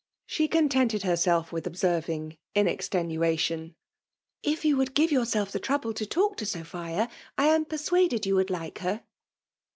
She contented herself with observing, in extenuation —'* If you would give yourself the trouble to talk to Sophia, I am persuaded you would like her."